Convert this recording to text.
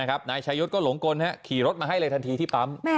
นะครับนายชายศก็หลงกลนะครับขี่รถมาให้เลยทันทีที่ปั๊ม